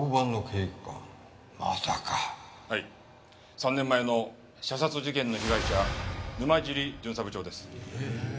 ３年前の射殺事件の被害者沼尻巡査部長です。